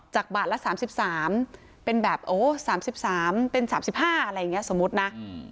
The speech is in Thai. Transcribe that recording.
จากบาทละ๓๓เป็นแบบโอ้๓๓เป็น๓๕อะไรอย่างนี้สมมุตินะ